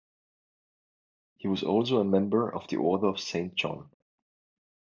He was also a member of the Order of Saint John.